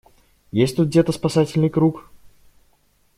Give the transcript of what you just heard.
Есть тут где-то спасательный круг?